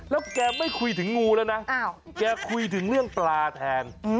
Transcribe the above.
แล้วแกไม่คุยถึงงูแล้วนะแกคุยถึงเรื่องปลาแทน